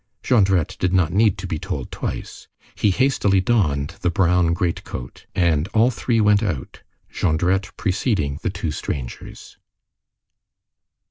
Jondrette did not need to be told twice. He hastily donned the brown great coat. And all three went out, Jondrette preceding the two strangers.